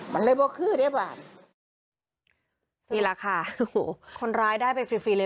มันเลยบอกคือได้บาทนี่แหละค่ะโอ้โหคนร้ายได้ไปฟรีฟรีเลย